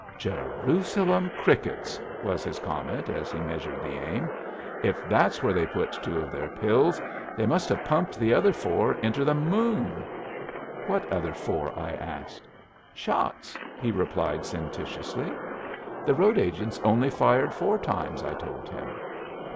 "Jerusalem crickets!" was his comment as he measured the aim. "If that's where they put two of their pills, they must have pumped the other four inter the moon." "What other four?" I asked. "Shots," he replied sententiously. "The road agents only fired four times," I told him.